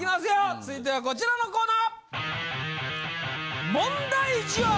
続いてはこちらのコーナー！